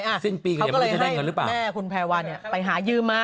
เขาก็เลยให้แม่คุณแพรวาเนี่ยไปหายืมมา